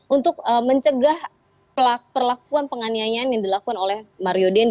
untuk mencegah perlakuan penganian yang dilakukan oleh mario dean